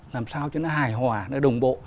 làm sao cho nó hài hòa nó đồng bộ